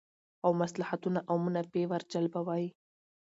او مصلحتونه او منافع ور جلبوی